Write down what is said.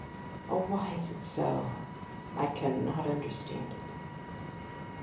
Oh, why is it so? I cannot understand it."